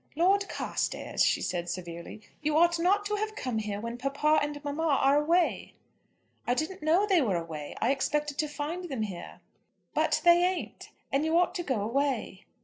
"Lord Carstairs," she said, severely, "you ought not to have come here when papa and mamma are away." "I didn't know they were away. I expected to find them here." "But they ain't. And you ought to go away."